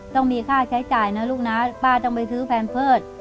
ต้องมีค่าใช้จ่ายนะลูกนะป้าต้องไปซื้อแพนเพิร์ต